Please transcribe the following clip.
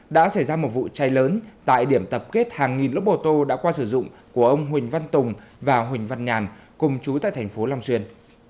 đã xảy ra một vụ cháy lớn tại điểm tập kết hàng nghìn lốc ô tô đã qua sử dụng của ông huỳnh văn tùng và huỳnh văn nhàn cùng chú tại thành phố long xuyên